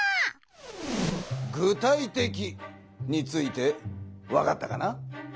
「具体的」についてわかったかな？